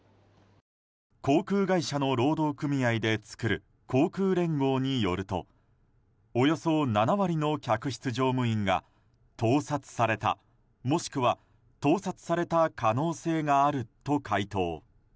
航空会社の労働組合で作る航空連合によるとおよそ７割の客室乗務員が盗撮されたもしくは盗撮された可能性があると回答。